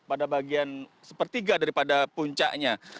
pada bagian sepertiga daripada puncaknya